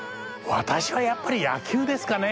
私はやっぱり野球ですかね。